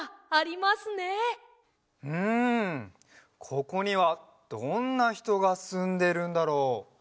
ここにはどんなひとがすんでるんだろう？